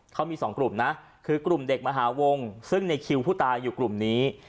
เขามีสองกลุ่มนะคือกลุ่มเด็กมหาวงซึ่งในคิวผู้ตายอยู่กลุ่มนี้